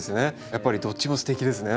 やっぱりどっちもすてきですね